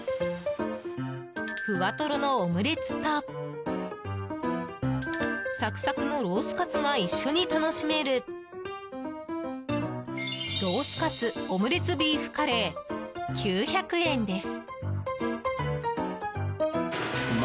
ふわとろのオムレツとサクサクのロースかつが一緒に楽しめるロースかつオムレツビーフカレー９００円です。